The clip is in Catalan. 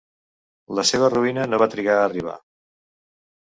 La seva ruïna no va trigar a arribar.